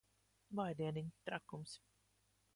Vai dieniņ! Trakums.